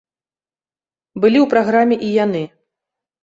Былі ў праграме і яны.